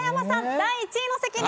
第１位のお席に。